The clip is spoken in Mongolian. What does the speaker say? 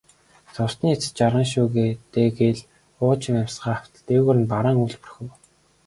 Зовсны эцэст жаргана шүү дээ гээд уужим амьсгаа автал дээгүүр нь бараан үүл бүрхэв.